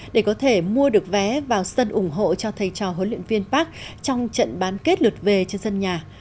để có thể mua được vé vào sân ủng hộ cho thầy trò huấn luyện viên park trong trận bán kết lượt về cho dân nhà